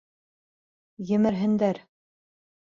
Емерһендәр.